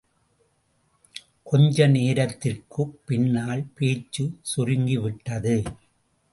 கொஞ்ச நேரத்திற்குப் பின்னால் பேச்சுச் சுருங்கிவிட்டது.